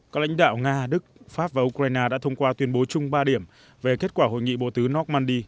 các lãnh đạo nga đức pháp và ukraine đã thông qua tuyên bố chung ba điểm về kết quả hội nghị bộ tứ normandy